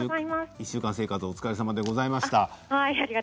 １週間生活お疲れさまでした。